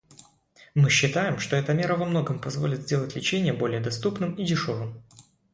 Мы считаем, что эта мера во многом позволит сделать лечение более доступным и дешевым.